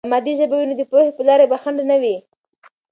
که مادي ژبه وي، نو د پوهې په لاره به خنډ نه وي.